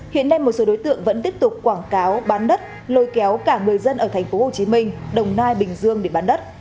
hiện nay một số đối tượng vẫn tiếp tục quảng cáo bán đất lôi kéo cả người dân ở tp hcm đồng nai bình dương để bán đất